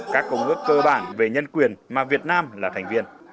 các công ước cơ bản về nhân quyền mà việt nam là thành viên